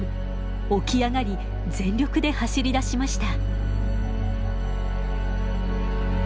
起き上がり全力で走りだしました。